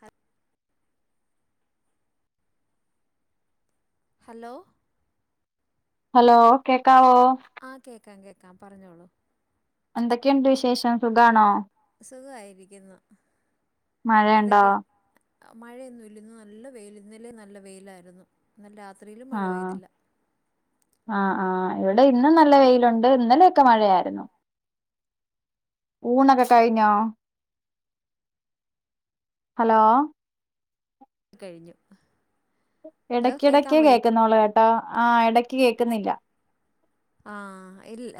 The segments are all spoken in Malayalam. ഹ ഹലോ ഹലോ കേക്കാവോ കേക്കാൻ കേക്കാ പറഞ്ഞോളൂ എന്തൊക്കെയുണ്ട് വിശേഷം സുഖമാണോ സുഖമായിരിക്കുന്നു മഴയണ്ടോ മഴയൊന്നുല്ല ഇന്നു നല്ല വെൽ ഇന്നലെ നല്ല വെയിലായിരുന്നു ത്രിയിലും മഴ ആഹ് പെയ്തില്ല. ആഹ് ആഹ് ഇവിടെ ഇന്ന് നല്ല വെയിലുണ്ട് ഇന്നലെയൊക്കെ മഴയായിരുന്നു ഊണൊക്കെ കഴിഞ്ഞോ? ഹലോ കഴിഞ്ഞു. ഹലോ കേക്കാൻ ഇടക്കിടക്ക വയ്യ കേൾക്കുന്നോള്ളു ട്ടോ ആഹ് ഇടക്ക് കേക്കുന്നില്ല ആ ഇല്ല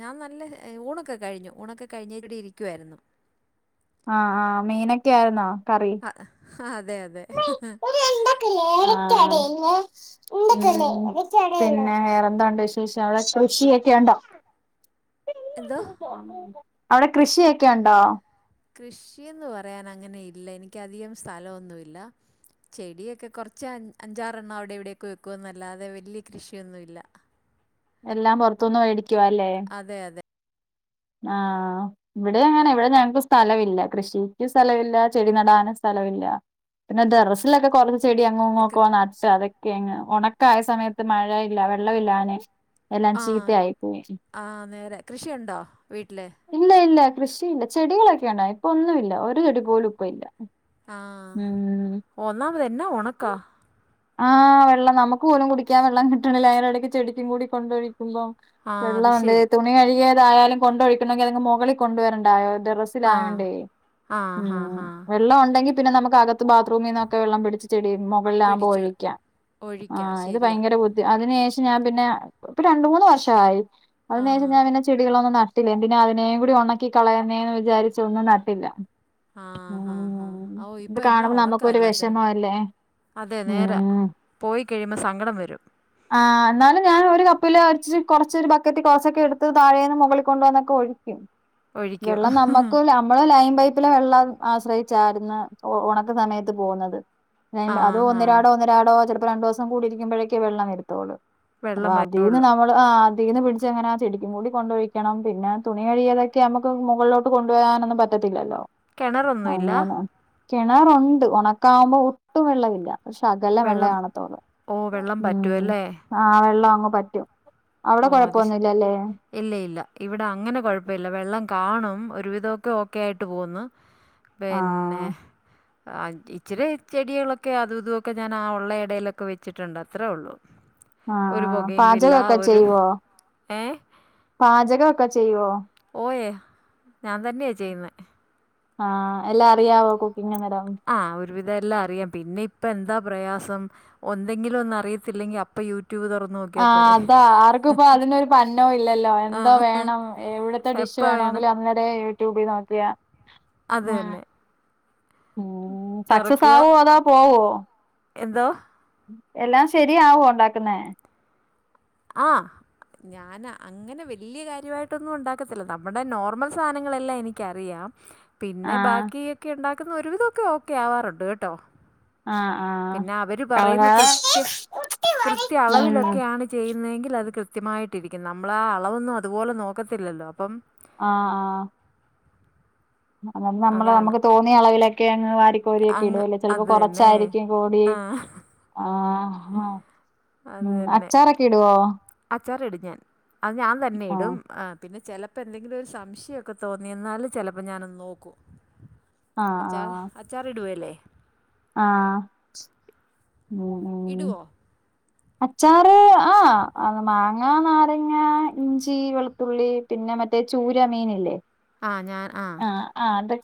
ഞാൻ നല്ല ഊണൊക്കെ കഴിഞ്ഞു ഊണൊക്കെ കഴിഞ്ഞു ഇവിടെ ഇരിക്കുവായിരുന്നു. ആഹ ആഹ മീനൊക്കെ ആയിന്നോ? കറി ആ അതെ അതെ ആ പിന്നെ വേറെന്താണ്ട് വിശേഷം. ളെ കൃഷിയൊക്കെ ഉണ്ടോ? എന്തോ അവിടെ കൃഷിയൊക്കെ ഉണ്ടോ? കൃഷിയന്ന് പറയാൻ അങ്ങനെ ഇല്ല എനക്ക് അധികം സ്ഥലൊന്നുല്ല ചെടിയൊക്കെ കുറച്ച് അഞ്ചാറെണ്ണം അവിടെ ഇവിടെക്കെ വെക്കുന്നല്ലാതെ വലിയ കൃഷിയൊന്നുല്ല. എല്ലാം പുറത്തുനിന്ന് മേടി ക്കുവാലേ അതെ അതെ ആഹ് ഇവിടെ അങ്ങനെ ഇവിടെ ഞങ്ങക്ക് സ്ഥലമില്ല കൃഷിക്ക് സ്ഥലഇല്ല ചെടി നടാനും സ്ഥലമില്ല പിന്നെ ഡെറസിലൊക്കെ കൊറ ചെടി [unintelligible] അതക്കെ അങ്ങ് ക്കായ സമയത്ത് മഴയില്ല വെള്ളഇല്ല ആനെ ആഹ ആ നേരെ കൃഷിയുണ്ടോ? ണ്ടോ വീട്ടില്. ഇല്ല ഇല്ല കൃഷിയില്ല ചെടികളൊക്കെയുണ്ടാ ഇപ്പൊ ഒന്നും ഇല്ല ഒരു ചെടി പോലും ഇപ്പ ഇല്ല. ആഹ ഉം ഒന്നാമത് എന്നാ ഉണക്കാ ആഹ് വെള്ളം നമുക്ക് പോലും കുടിക്കാൻ വെള്ളം കിട്ടണില്ല അനിടയ്ക്ക് ചെടിക്കും കൂടി കൊണ്ടഴി കുബം ആ അത് വെള്ളാണ്ട് ശരി തുണി കഴുകിയ ഇതായാലും കൊണ്ടൊഴിക്കണങ്കി അതിനു മുകളിൽ കൊണ്ടുവരണ്ടായോ ആ ടെറസിലായോണ്ടേ ആ ഉം ഹാ ഹാ വെള്ളം ഉണ്ടെങ്കി പിന്നേ നമുക്ക് അകത്ത് ബാത്റൂമിന്നൊക്കെ വെള്ളം പിടിച്ച് ചെടി മൊകൾലാ പിടിച്ചു ഒഴിക്കാ ആ ഒഴിക്കാം ഇത് ശരിയാ ഭയങ്കര ബുദ്ധി അതിന് പക്ഷെ ഞാൻ പിന്നെ ഇപ്പം രണ്ട് മൂന്ന് വർഷമായി ആ അതിന് ശേഷം ഞാൻ പിന്നെ ചെടികളന്നും ന ട്ടില്ല എന്തിനാ അതിനേ കൂടി ഒണക്കി കളയണേന്ന് വിചാരിച്ച ഒന്നും നട്ടില്ല. ആഹ ഹാ ഹാ ഉം ഹാ ഓ ഇത് ഇപ്പൊ എന്നാ കാണുമ്പോ ഉണക്കാ നമുക്കൊരു എല്ലാത്തിനും. വിഷമല്ലേ അതെ നേരാ ഉം പോയി കഴിയുമ്പോ സങ്കടം വരും ആ എന്നാലും ഞാൻ ഒരു കപ്പില് അരിച്ച് കുറച്ചൊരു ബക്കറ്റി കൊ റച്ചൊക്കെ എടുത്ത് താഴേന്ന് മുകളിൽ കൊണ്ട്‌ വന്നൊക്കെ ഒഴിക്കും ഒഴിക്കും വെള്ളം നമ്മുക്ക് നമ്മള് ലൈൻ പൈപ്പി പൈപ്പിലെ വെള്ളം ആശ്രയിച്ചാരന്ന് ഉണക്ക സമയത്ത് പോകുന്നത് ആ [unintelligible] ഹാ ഒന്നിരാടോ ഒന്നിരാടോ ചെലപ്പോ ഇപ്പോ രണ്ട് ദിവസം കൂടി ഇരിക്കുമ്പോഴെക്കെ വെള്ളംവരുത്തൊള്ളൂ അപ്പൊ വെള്ളം അതീന്ന് വരുള്ളൂ നമ്മള് ആ തീന്ന് പിടിച്ചെങ്ങനാ ചെടിക്കും കൂടി കൊണ്ടൊഴിക്കണം പിന്നെ തുണി കഴിയാലൊക്കെ നമുക്ക് മുകളിലോട്ട് കൊണ്ടു പോകാനൊ ന്നും പറ്റത്തില്ലല്ലോ കെണറൊന്നുമില്ല കെണറുണ്ട് ഉണക്കാവുമ്പോ ഒട്ടും വെള്ളമില്ല ശകലം വെള്ളം കാണത്തൊള്ളൂ ഓ വെള്ളം ഉം പറ്റുമല്ലേ ആ വെള്ളം ആ പറ്റും അവിടെ ഓ അത് ശ് കൊഴപ്പൊന്നുമില്ലല്ലേ ഇല്ല ഇല്ല ഇവിടെ അങ്ങനെ കൊഴപ്പില്ല വെള്ളം കാണും ഒരു വിധം ഇതൊക്കെ ഓക്കെ ആയിട്ട് പോന്നു ആ പിന്നെ ഇച്ചിരി ചെടികളൊക്കെ അതും ഇതൊക്കെ ഞാൻ ആ ഉള്ള ഇടയിലൊക്കെ വെച്ചിട്ടുണ്ട് അത്രയേ ഉള്ളു ആ ആ പാചകമൊക്കെ ഒരു ചെയ്യുവോ ഏ പാചകം ഒക്കെ ചെയ്യുവോ ഓയേ ഞാൻ തന്നെയാ ചെയ്യന്നെ ആ എല്ലാം അറിയാവോ കുക്ക്‌ ആ ഒരുവിധം എല്ലാം അറിയാം പിന്നെ ഇപ്പ എന്താ പ്രയാസം ന്തെങ്കിലും ഒന്ന് അറിയത്തില്ലെങ്കിൽ അപ്പ യൂട്യൂ ആ അതാ ആർക്കിപ്പോ അതിനൊരു പന്നോ ഇല്ലല്ലോ ആ എന്തോ വേണം എവിടത്തെ ഡിഷ് എപ്പോൾ വേണമെങ്കിലും അന്നേര യൂട്യൂബിൽ നോക്കിയ അതന്നെ സക്സസ് ആവോ അതാ പോവോ എന്തോ എല്ലാം ശെരിയാവൊണ്ടാക്കുന്നേ ആ ഞാന അങ്ങനെ വല്യ കാര്യവായിട്ടൊന്നും ഉണ്ടാക്കത്തില്ല നമ്മടെ നോർമൽ സാനങ്ങളെല്ലാം എനിക്കറിയാം പിന്നെ ആഹ് ബാക്കി ഒക്കെ ഉണ്ടാക് [unintelligible] ഒരു വിധമൊക്കെ ഓക്കെ ആവാറുണ്ട് കേട്ടോ ആഹ് ആഹ് പിന്നെ അവര് പറയുന്ന കൃത്യ കൃത്യ ഉം അളവിലൊക്കെയാണ് ചെയ്യുന്നേങ്കിൽ അത് കൃത്യമായിട്ട് ഇരിക്കും നമ്മള് ആ അളവൊന്നും അതുപോലെ നോക്കത്തില്ലല്ലോ അപ്പം ആഹ് ആ അതന്ന് നമ്മള് അതാണ്. നമുക്ക് തോന്നിയ അളവിലൊക്കെ വാരിക്കോരി ഒക്കെ അങ്ങ് ഇടുവല്ലേ ചിലപ്പോ അത് തന്നെ. കൊറച്ചായിരിക്കും കൂടി ആ ആ ഹ ഹാഹ് അത് ഉം തന്നെ. അച്ചാറൊക്കെ ഇടുവോ അച്ചാറിടും ഞാൻ അത് ഞാൻ തന്നെ ആഹ് ഇടും അ പിന്നെ ചെലപ്പോ എന്തെങ്കിലും ഒരു സംശയൊക്കെ തോന്നി എന്നാല് ചചെലപ്പോ ഞാനൊന്ന് നോക്കും ആഹ് അച്ചാർ ആഹ് അച്ചാറിടുവല്ലേ ആഹ് ഉം ഉം ഇടുവോ അച്ചാറ് ആ അ മാങ്ങ നാരങ്ങ ഇഞ്ചി വെളുത്തുള്ളി പിന്നെ മറ്റേ ചൂര മീനില്ലേ ആഹ് ഞാൻ ആ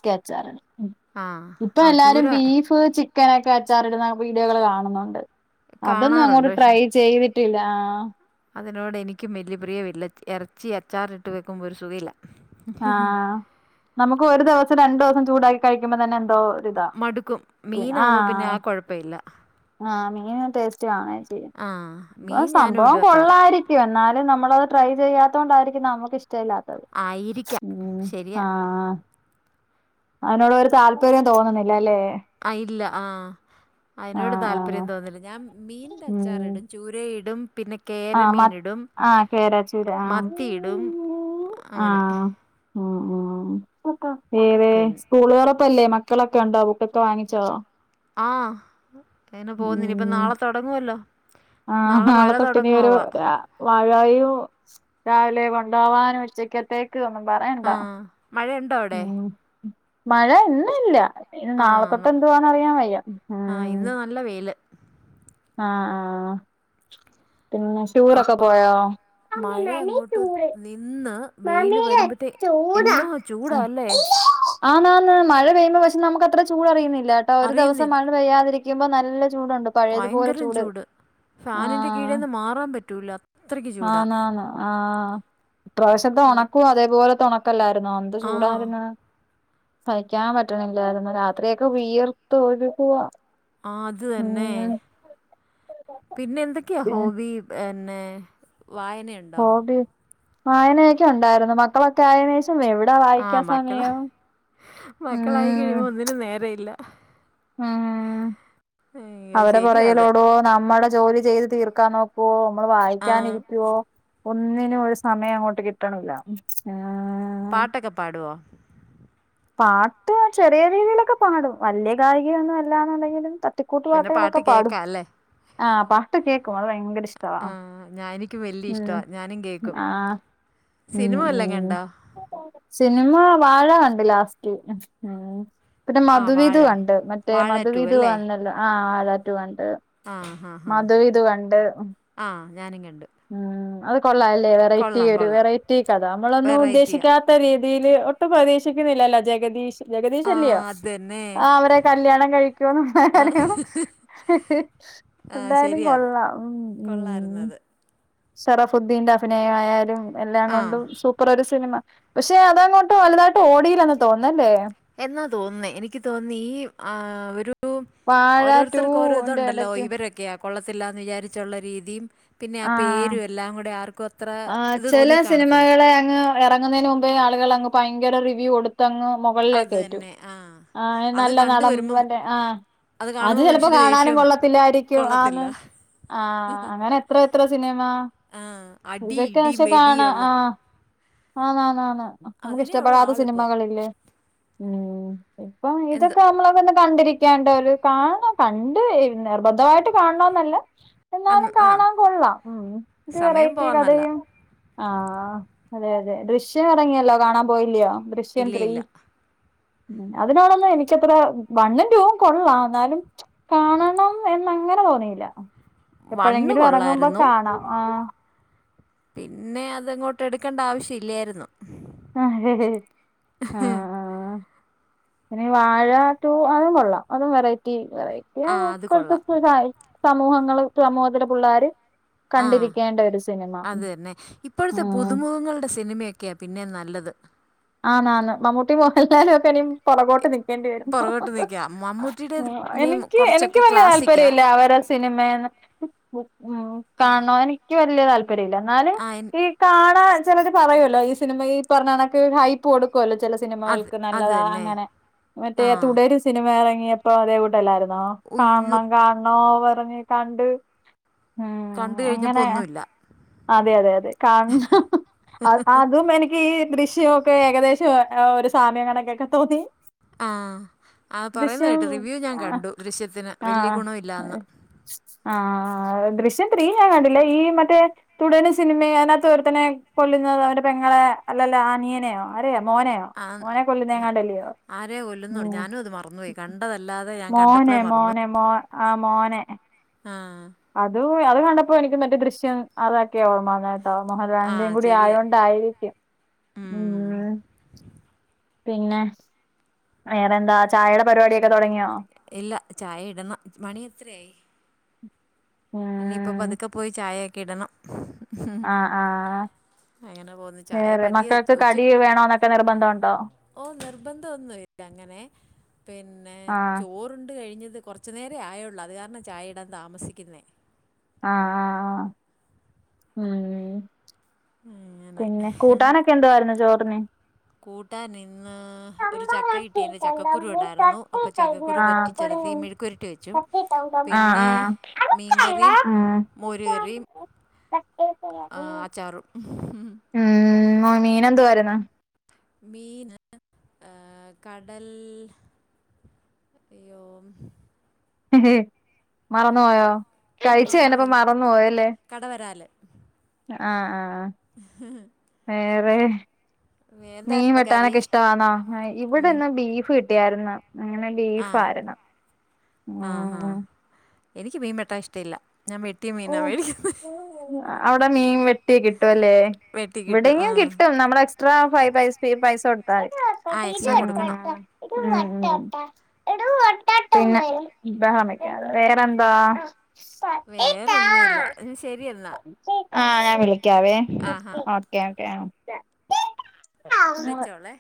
ക്കെഅച്ചാറ് ആ ഇപ്പ ആ എല്ലാരും ചൂര ബീഫ് ചി ചക്കനൊക്കെ അച്ചാറിടുന്ന വീഡിയോകൾ കാണുന്നുണ്ട് അതൊന്നും കാണാറുണ്ട് അങ്ങോട്ട് ട്രൈ ചെയ്തി ട്ടില്ല ആ അതിനോടെനിക്കും വല്യ പ്രിയമില്ല ഇറച്ചി അച്ചാറിട്ട് വയ്ക്കുമ്പം ഒരു സുഖയില്ല ആഹ് നമുക്ക് ഒരു ദിവസം രണ്ടു ദിവ ഉം ചൂടായി കഴിക്കുമ്പോ തന്നെ എന്തോ ഒരിതാ മടുക്കും പിന്നെ മീനാവും പിന്നെ ആഹ് ആ കൊഴപ്പയില്ല ആഹ് മീന് ടേസ്റ്റ് ആണെ ആ ബ മീൻ ഞാനും സംഭവം ഇടും അച്ചാറ് കൊള്ളായിരിക്കും എന്നാ ളെ നമ്മളത് ട്രൈ ചെയ്യാത്തോണ്ടായിരിക്കും നമക്ക് ഇഷ് ചെല്ലാത്തത് ആയിരിക്കാം ഉം ശരിയാ ആഹ് അതിനോട് ഒരു താല്പര്യം തോന്നുന്നില്ല അല്ലേ ആ ഇല്ല ആ അതിനോട് ആഹ് ആഹ് താല്പര്യം തോന്നുന്നില്ല ഞാൻ മീനിന്റെ ഉം അച്ചാറിടും ചൂരയിടും പിന്നെ ആഹ് മ കേരമീനിടും ആഹ് കേരാച്ചീര ആഹ് മത്തിയിടും അങ്ങനെ ആഹ് [unintelligible] പിന്നെ സ്കൂള് തുറപ്പല്ലേ ബുക്ക്സ്ളൊക്കെ ഉണ്ടോ ബുക്കൊക്കെ വാങ്ങിച്ചോ ആഹ് ഇന്ന്നി പോകുന്നനില്ലാ ഇപ്പം ഉം നാളെ തുടങ്ങുവല്ലോ ആഹ് നാളത്തൊട്ട്യിനി ഒരു രാവിലെ കൊണ്ടുപകാനും ഉച്ചക്കത്തേക്കും ഒന്നും ആ പറയണ്ടാ മഴയുണ്ടോ അവിടെ മഴ ഇന്ന്ല്ല ഇനി ആ നാളെത്തൊട്ട് ന- എന്തുവാന് അറിയാൻ വയ്യ ആ ഇന്ന് നല്ല വെയിൽ ആഹ് ആഹ് പിന്നെ യാത്രയൊക്കെ പോയോ വെയില് വരുമ്പത്തെേക്ക്‌ എന്നാ ഒരു ചൂടാല്ലേ ആന്നാന്ന് മഴ പെയുമ്പോ നമുക്ക്‌ അത്രയും ചൂട് അറിയുന്നില്ല ഒരു ദിവസം അറിയുന്നില്ല മഴപെയ്യാതെ യ പെയ്യുമ്പോ നല്ല ചൂടുണ്ട് പഴയതുപോലെ ചൂട് ഫാനിൻ്റെ കീഴിൽ നിന്ന് മാറാൻ പറ്റൂല അത്രയ്ക്ക് ചൂടാ ഈ പ്രാവശ്യംത്തെ അത് ഉണക്കും അതേപോലത്തെ ഉണക്കാ അല്ലായിരുന്നോ എന്ത് ആ ചൂടായിരുന്നു സഹിക്കാൻ പറ്റണില്ലായിരുന്നു രാത്രിയൊക്കെ വിയർത്ത് ഒഴുകുവാ ആ അത് തന്നെ ഉം പിന്നെ എന്തൊക്കെയാ ഇഷ്ടം ന്നേ വായനയുണ്ടോ ഹോബി വായനയൊക്കെ ഉണ്ടായിരുന്നു മക്കളൊക്കെ ആയതിനു ശേഷം എവിടാ വായിക്കാൻ ആഹ് മക്കള് സമയം മക്കളായി ഉം കഴിയുമ്പോ ഒന്നിനും നേരംമില്ലാ ഉം അയ്യോ അവരുടെ ശരിയാ പുറകെ അത് ഓടുമോ നമ്മുടെ ജോലി ചെയ്ത് തീർക്കാൻ നോക്കൊ നമ്മള് ആ വായിക്കാൻ ഇരിക്കുവോ ഒന്നിനും ഒരു സമയം അങ്ങോട്ട് കിട്ടണില്ല പാട്ടൊക്കെ പാടുമോ പാട്ട് ചെറിയ രീതിയിലൊക്കെ പാടും വലിയ ഗായികയൊന്നും അല്ലാന്നുണ്ടെങ്കിലും പിന്നെ പാട്ട് പാട്ടുകളൊക്കെ പാടും. കേൾക്കാം അല്ലേ പാട്ട് കേൾക്ക ഓ ഭയങ്കര ഇഷ്‌ ആഹ് ഞാൻ എനിക്ക് വല്യ ഇഷ്ട്ടവാ ഞാനും കേക്കും ആഹ് ഉം സിനിമ വല്ലോ ഉം കണ്ടോ. സിനിമ വാഴ കണ്ടില്ലാ റ്റു ഉം ആഹ് പിന്നെ ആ വാഴ മധുവിതു കണ്ട് മറ്റേ വാഴ ടു അല്ലേ മധുവിതുവന്നില്ലേ ആ വാഴ റ്റു കണ്ട് ആ ഹാ ഹാ മധുവിതു കണ്ട് ആ ഞാനും കണ്ടു ഉം കൊള്ളാ അല്ലെ വെറൈറ്റി കൊള്ളാം ഒരു കൊള്ളാം വെറൈറ്റി കഥ നമ്മളൊന്നും വെറൈറ്റിയാണ് ഉദ്ദേശിക്കാത്ത രീതി. തില് ഒട്ടും പ്രതീക്ഷിക്കുന്നില്ലല്ലെ ജഗദീഷ് ആ ജഗദീശല്യോ അത് തന്നെ ആ അവരെ കല്യാണം കഴിക്ക്യോന്ന് ആ ആ എന്തായാലും ശരിയാ അത് കൊള്ളാം ഉം ഉം കൊള്ളാമായിരുന്നു അത് സറഫുദ്ദീന്റെ അഭിനയ ആയാലും എല്ലാം ആ കൊണ്ടും സൂപ്പർ ഒരു സിനിമ പക്ഷെ അതങ്ങോട്ട് വലുതായിട്ട് ഓടിയില്ലന്ന് തോന്നല്ലെ എന്നാ തോന്നുന്നേ എനിക്ക് തോന്നി ഈ ആ ഒര് രു വാഴ ടു ഓരോരുത്തർക്ക് ഓരോ ഇതു ന്റെ ഉണ്ടല്ലോ എടക്ക് ഇവരൊക്കെയ കൊള്ളത്തില്ലാന്ന് വിചാരിച്ചുള്ള രീതി പിന്നെ ആ ആഹ് പേരും എല്ലാം കൂടെ ആർ ആ ചില സിനിമകളെ അങ്ങ് എറങ്ങുന്നയിന് മുമ്പേ ആളുകള്ങ് ഭയങ്കര റിവ്യൂ കൊട് തങ് അത് മുകളിലേകെറ്റും തന്നെ ആ ആ അത് നല്ല കണ്ടു നടൻ വരുമ്പം വന്റെ ആ അത് കാണുമ്പോൾ ചിലപ്പോ മനുഷ്യന് കാണാനും ദേഷ്യം വരും. കൊള്ളത്തില്ലായിരിക്കും കൊള്ളത്തില്ല ആന്ന് ആ അങ്ങനെ എത്ര ത്ര ത്ര സിനിമാ ആഹ് ഇതൊക്കെ പക്ഷെ കാണാ ആഹ് ആന്ന് ആന്ന് ആന്ന് നമുക്ക് അതിനേ ഉള്ള ഇഷ്ട്ടപ്പെടാത്ത ആളിപ്പോൾ സിനിമകളില്ലെ ഉം ഇപ്പം എന്ത് ഇതൊക്കെ നമ്മളങ്ങനെ കണ്ടിരിക്കും [unintelligible] പോലും കാണണം കണ്ട് നിർബന്ധമായിട്ട് കാണണന്നല്ല അന്ന് എന്നാലും ആ കാണാൻ കൊള്ളാം ഉം ഒരു വെറൈ സമയം റ്റ് പോവാന്നല്ല കഥയും ആഹ് അതെ അതെ ദൃശ്യം ഇറങ്ങിയല്ലോ കാണാൻ പോയില്യായോ ദൃശ്യം ഇല്ല ത്രീ ഇല്ല ഉം അതിനോടൊന്നും എനിക്കത്ര വണ്ണും ടുവും കൊള്ളാം എന്നാലും കാണണം എന്ന് അങ്ങനെ തോന്നിയില്ല വണ്ണ് എപ്പോഴെങ്കിലും എറങ്ങുമ്പോ കൊള്ളായിരുന്നു കാണാം ആഹ് പിന്നെ അത് അങ്ങോട്ട് എടുക്കണ്ട ആവിശ്യം ഇല്ലായിരുന്നു ആഹ് ആഹ് ആഹ് പിന്നെ വാഴ ടു അതും കൊള്ളാം അതും വെറൈറ്റി വെറൈറ്റി ആ ആണ് അത് ഇപ്പോഴത്തെ കൊള്ളാം [unintelligible] സമൂഹങ്ങള് സമൂഹത്തിലെ പുള്ളാര് ആഹ് അതന്നെ ഇപ്പോഴത്തെ ഉം പുതുമുഖങ്ങളുടെ സിനിമക്കെയാ പിന്നേം നല്ലത് ആന്ന് ആന്ന് മമ്മൂട്ടി മോഹൻലാലും ഒക്കെ ഇനി പുറകോട്ട് നിക്കേണ്ടി വരും പുറകോട്ട് നിൽക്കുക ആ മമ്മൂട്ടിയുടേത് പിന്നെയും എനിക്ക് എനിക്ക് കുറച്ചൊക്കെ വലിയ ക്ലാസിക്കാ താല്പര്യമില്ല അവര സിനിമേന്ന് [unintelligible] ഉം ആ കാണുവാന്ക്ക് വലിയ താല് ല്പര്യല്ല എന്നാലും ആ എൻ- ഈ കാണാൻ ചിലര് പറയുവല്ലോ ഈ സിനിമ ഈ പറഞ്ഞ കണ ക്ക് ഹൈപ്പ് കൊടു ക്കുവല്ല ചില അത് സിനിമകൾക്ക് അത് നല്ലതാ തന്നെ അങ്ങനെ മറ്റേ ആ തുടരും സിനിമ ഇറ ങ്ങിയപ്പോ അതേ കൂട്ടെല്ലാരും ഉയ്യോ കാണണം കാണണം പറഞ്ഞിക്കണ്ട് ഉം കണ്ടു അങ്ങനെ കഴിഞ്ഞപ്പോൾ ഒന്നുമില്ല അതെ അതെ അതെ കാണം അതും എനിക്ക് ഈ ദൃശ് ശ്യൊക്കെ ഏകദേശം ആ ഒരു സാമ്യം കണക്കാക്കെ തോന്നി ആ ആ പറയുന്ന ദൃശ്യം കേട്ടു റിവ്യൂ ഞാൻ ആഹ് കണ്ടു ദൃശ്യത്തിന് വെല്ല്യ ഗുണം ഇല്ലന്ന് ആ ദൃശ്യം ത്രി ഞാൻ കണ്ടില്ല ഈ മറ്റേ തുടരും സിനിമ അതിനകത്ത് ഒരുത്തനെ കൊല്ലുന്ന അവന്റെ പെങ്ങളെ അല്ലല്ലോ ആ നീനയോ ആരായ ആഹ് ആരെയോ കൊല്ലുന്നുണ്ട് ഉം ഞാനുമാത് മറന്നുപോയി കണ്ടതല്ലാതെ ഞാൻ മോനെ കണ്ടപ്പോഴേ മറന്നു മോനെ മോ ആ മോനെ ആഹ് പ്പോഴ് അത് കണ്ടപ്പോഴ് എനിക്ക് മറ്റേ ദൃശ്യം അതൊക്കെയാ ഓർമ്മ വന്നേ ഏഹ് ആ മോഹൻലാലിന്റെയും കൂടി ശരിയാ ആയോണ്ടായിരിക്കും ഉം പിന്നെ വേറെ എന്താ ചായേടെ പരിപാടിയൊക്കെ തൊടങ്ങിയോ ഇല്ല ചായ ഇടണം മണി എത്രയായി ഇനി ഇപ്പൊ ഉം പതുക്ക പോയി ചായെ ക്കിടണം ആഹ് ആഹ് അങ്ങനെ പോന്നു ചായ വേറെ പതിയെ മക്കൾക്ക് ചോ കടി ഉച്ചക്ക് വേണോന്നൊക്കെ നിർബന്ധമുണ്ടോ ഓ നിർബന്ധം ഒന്നുമില്ല അങ്ങനെ പിന്നെ ആഹ് ചോറുണ്ട് കഴിഞ്ഞ് ഇത് കൊറച്ചു നേരേ ആയുള്ളൂ അത് കാരണം ചായ ഇടാൻ താമസിക്കുന്നേ ആഹ് ആഹ് ആഹ് ഉം അങ്ങനെ പിന്നെ കൂട്ടാനൊക്കെ എന്തായിരുന്നു ചോറിന് കൂട്ടാൻ ഇന്ന് ഒരു ആഹ് ചക്ക കിട്ടിയാരുന്നു ചക്കക്കുരു ഒണ്ടായിരുന്നു അപ്പോ ചക്കക്കുരു ആഹ് പറ്റിച്ചെലത്തി മെഴുക്കുവെരട്ടി വെച്ചു പിന്നെ മീൻകറിയും മോരുകറിയും ആ അച്ചാറും ഓ മീൻ എന്തുവായിരുന്ന് മീന് ആഹ് കടൽ അയ്യോ ഹെഹെ മറന്നു പോയോ ഉം കഴിച്ച് കഴിഞ്ഞപ്പ പോയല്ലോ മറന്നു പോയല്ലേ കടവരാല് ആ ആ വേറെ മീൻ എന്തായിരുന്നു കറി വെട്ടാനൊക്കെ ഇഷ്ടവാന്നോ ഇവിടെ മീൻ ഇന്ന് ബീഫ് കി കിട്ടിയാരുന്ന് അങ്ങനെ ആ ബീഫ് ആരുന്ന് ആ ഹാ ഉം എനിക്ക് മീൻവെട്ടാൻ ഇഷ്ടില്ല ഞാൻ വെട്ടിയ മീനാ വേടിക്കുന്നെ ഏഹ് അവിടെ മീൻ വെട്ടിയ കി ട്ടുവല്ലേ വെട്ടി കിട്ടും ആ ഇവിടെയും കിട്ടും നമ്മള് എക്സ്ട്രാ പൈ പൈസ് ഫീ പൈസ് [unintelligible] ഉം ആ എക്സ്ട്രാ കൊടുക്കണം ഉം പിന്നെ ബഹളം വെക്കാതെ വേറെന്താ വേ വേറൊന്നുമില്ല ശരിയെന്നാ ആ ഞാൻ വിളി ക്കാവേ ഓക്കെ ഓക്കെ വെച്ചോളേ